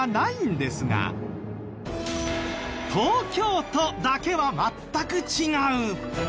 東京都だけは全く違う。